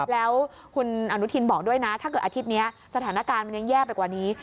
แล้วคุณอนุทินบอกด้วยนะถ้าเกิดอาทิตย์นี้สถานการณ์มันยังแย่ไปกว่านี้